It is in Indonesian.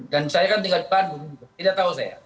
dan saya kan tinggal depan tidak tahu saya